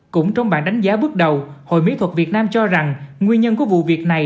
cũng trong bản đánh giá bước đầu hội mỹ thuật việt nam cho rằng nguyên nhân của vụ việc này